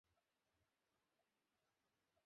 সৃষ্টির আদি অবস্থা ছিল ভিন্ন।